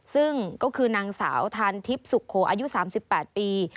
ซึ่งก็คือนางสาวทานทิพย์สุโขอายุ๓๘ปี